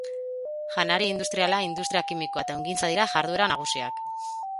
Janari industria, industria kimikoa eta ehungintza dira jarduera nagusiak.